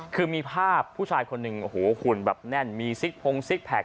คือมีภาพผู้ชายคนหนึ่งโอ้โหหุ่นแบบแน่นมีซิกพงซิกแพค